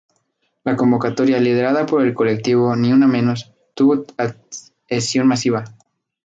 La convocatoria, liderada por el colectivo Ni Una Menos, tuvo adhesión masiva.